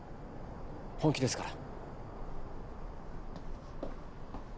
本気ですから。